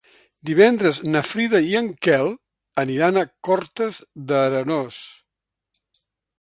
Divendres na Frida i en Quel aniran a Cortes d'Arenós.